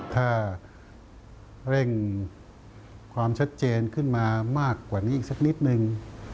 ถ้าเร่งความชัดเจนขึ้นมามากกว่านี้อีกสักนิดนึง